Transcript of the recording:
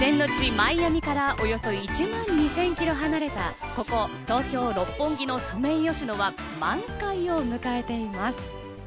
マイアミからおよそ１万２０００ｋｍ離れたここ、東京・六本木のソメイヨシノは満開を迎えています。